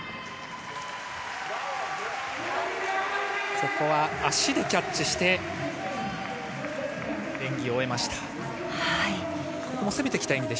ここは足でキャッチして演技を終えました。